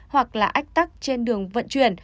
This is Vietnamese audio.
hoặc là ách tắc trên đường vận chuyển